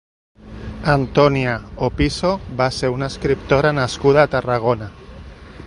Antonia Opisso va ser una escriptora nascuda a Tarragona.